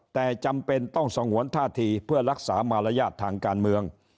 แต่จำเป็นต้องสงวนท่าทีเพื่อรักษามารยาททางการเมือง